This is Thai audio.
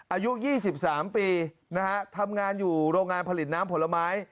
อายุ๒๓ปีนะฮะทำงานอยู่โรงงานผลิตน้ำผลไม้